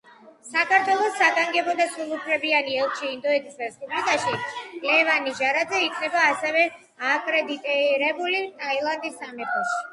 საქართველოს საგანგებო და სრულუფლებიანი ელჩი ინდოეთის რესპუბლიკაში ლევან ნიჟარაძე იქნება ასევე აკრედიტებული ტაილანდის სამეფოში.